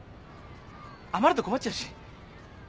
余ると困っちゃうし。